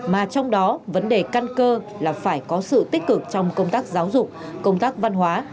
mà trong đó vấn đề căn cơ là phải có sự tích cực trong công tác giáo dục công tác văn hóa